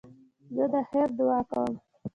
زه د خیر دؤعا کوم.